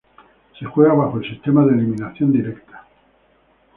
Se juega bajo el sistema de eliminación directa.